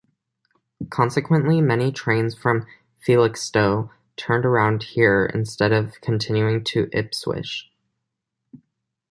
Consequently, many trains from Felixstowe turned around here instead of continuing to Ipswich.